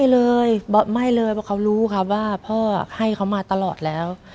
เลยไม่เลยเพราะเขารู้ครับว่าพ่อให้เขามาตลอดแล้ว